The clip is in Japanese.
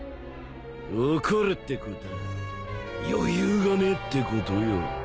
怒るってこたぁ余裕がねえってことよ。